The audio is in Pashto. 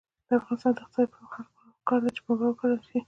د افغانستان د اقتصادي پرمختګ لپاره پکار ده چې پنبه وکرل شي.